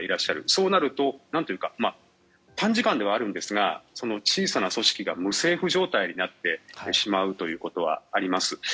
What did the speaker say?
そうなると短時間ではあるんですが小さな組織が無政府状態になってしまうということがあります。